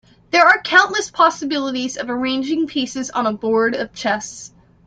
There are countless possibilities of arranging pieces on a board of chess.